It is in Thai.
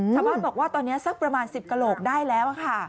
ชาวบ้านบอกว่าตอนนี้สักประมาณ๑๐กระโหลกได้แล้วค่ะ